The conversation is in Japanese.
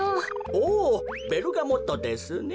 おおベルガモットですね。